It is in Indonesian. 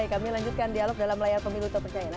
kami lanjutkan dialog dalam layar pemilu terpercaya